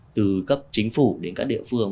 từ cấp chính phủ đến các địa phương